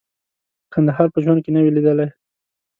کندهار په ژوند کې نه وې لیدلي.